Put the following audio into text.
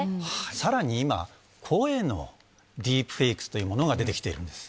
さらに今、声のディープフェイクスというものが出てきているんです。